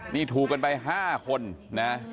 นี่ถูกกันไป๕คนนะ